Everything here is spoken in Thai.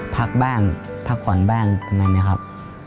พักบ้างพักผ่อนบ้างแบบนั้นนะครับ